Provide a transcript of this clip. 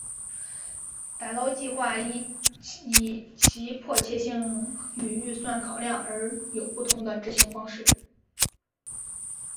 打捞计画依其迫切性与预算考量而有不同的执行方式。